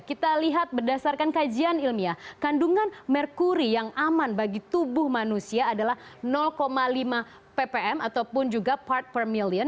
kita lihat berdasarkan kajian ilmiah kandungan merkuri yang aman bagi tubuh manusia adalah lima ppm ataupun juga part per million